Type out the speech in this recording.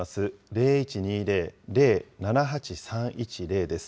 ０１２０ー０ー７８３１０です。